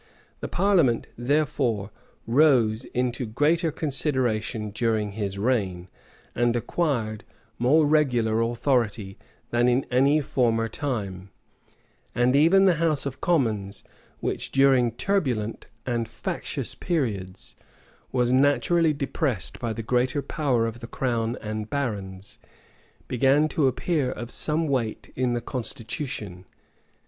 [*] The parliament, therefore, rose into greater consideration during his reign, and acquired more regular authority, than in any former time; and even the house of commons, which, during turbulent and factious periods, was naturally depressed by the greater power of the crown and barons, began to appear of some weight in the constitution.